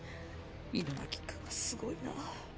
狗巻君はすごいな。